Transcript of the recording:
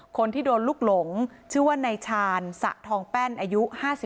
คนที่โดนลูกหลงชื่อว่านายชาญสะทองแป้นอายุ๕๓